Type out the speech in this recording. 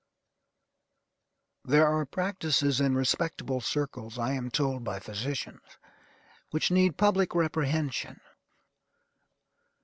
There are practices in respectable circles, I am told by physicians, which need public reprehension.